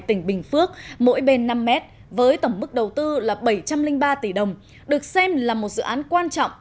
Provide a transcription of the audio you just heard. tỉnh bình phước mỗi bên năm mét với tổng mức đầu tư là bảy trăm linh ba tỷ đồng được xem là một dự án quan trọng